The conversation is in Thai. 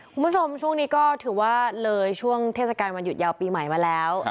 คุณผู้ชมช่วงนี้ก็ถือว่าเลยช่วงเทศกาลวันหยุดยาวปีใหม่มาแล้ว